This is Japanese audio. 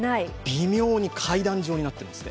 微妙に階段状になってるんです。